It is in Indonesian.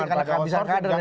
jangan sampai outsourcing